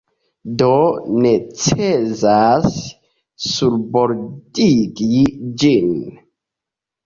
Do necesas surbordigi ĝin.